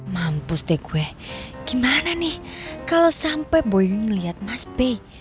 mampus deh gue gimana nih kalau sampai boyu ngeliat mas bay